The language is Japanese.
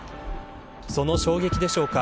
その衝撃でしょうか。